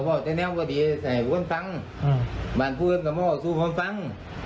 พ่อจะแน่วว่าเดี๋ยวจะให้พูดฟังมันพูดกับพ่อสู้พ่อฟัง